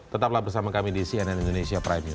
tetaplah bersama kami di cnn indonesia prime news